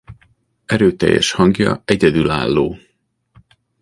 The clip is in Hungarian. Erőteljes hangja egyedülálló.